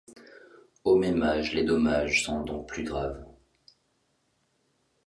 Au même âge, les dommages sont donc plus graves.